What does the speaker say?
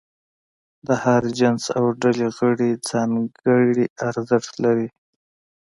د هر جنس او ډلې غړي ځانګړي ارزښت لري.